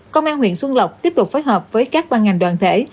công an huyện xuân lộc tiếp tục phối hợp với các ban ngành đoàn thể